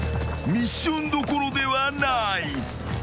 ［ミッションどころではない］